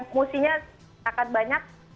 emosinya takat banyak